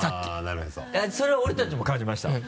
いやそれは俺たちも感じました